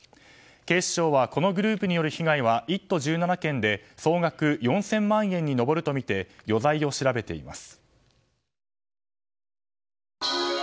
警視庁は、このグループによる被害は１都１７県で総額４０００万円に上るとみて余罪を調べています。